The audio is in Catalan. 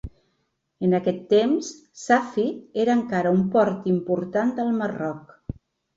En aquest temps, Safi era encara un port important del Marroc.